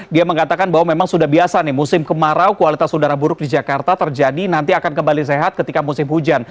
dia mengatakan bahwa memang sudah biasa nih musim kemarau kualitas udara buruk di jakarta terjadi nanti akan kembali sehat ketika musim hujan